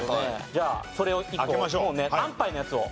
じゃあそれを１個安パイのやつを。